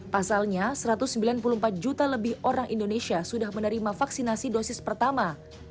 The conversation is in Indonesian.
pasalnya satu ratus sembilan puluh empat juta lebih orang indonesia sudah menerima vaksinasi dosis pertama